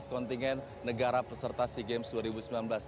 dua kontingen negara peserta sea games dua ribu sembilan belas